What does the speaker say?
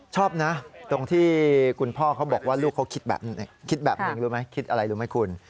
ชอบนะตรงที่คุณพ่อเขาบอกว่าลูกเขาคิดแบบนึงคิดอะไรรู้ไหมคุณ